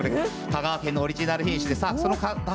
香川県のオリジナル品種です。